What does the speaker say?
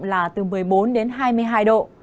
là từ một mươi bốn đến hai mươi hai độ